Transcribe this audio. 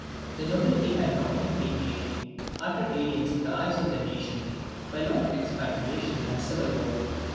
The nobility had not yet been made utter aliens in the eyes of the nation by long expatriation and civil war.